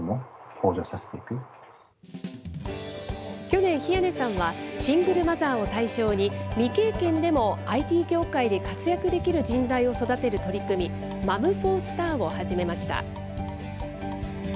去年、比屋根さんは、シングルマザーを対象に、未経験でもＩＴ業界で活躍できる人材を育てる取り組み、ＭＯＭＦｏＲＳＴＡＲを始めました。